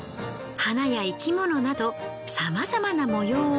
花や生き物などさまざまな模様を。